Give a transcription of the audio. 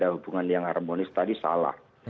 hubungan yang harmonis tadi salah